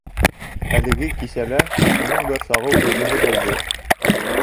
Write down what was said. Әлеге кисә лә шуның бер сағыу өлгөһө булды.